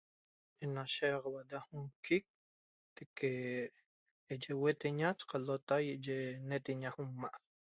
Ena shiýaxaua da ñ'quic teque' nache huetaña nache qalota yi'ye netaña lma'